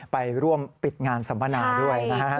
ไปร่วมปิดงานสัมพนาด้วยนะครับ